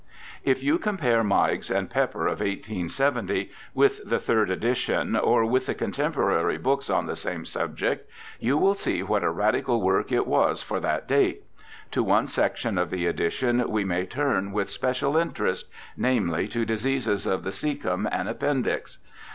If you compare Meigs and Pepper of 1870 with the third edition, or with the contemporary books on the same subject, you will see what a radical work it was for that date. To one section of the edition we may turn with special interest, namely, to diseases of the caecum and appendix.